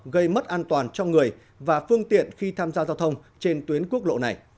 gây mất an toàn cho người và phương tiện khi tham gia giao thông trên tuyến quốc lộ này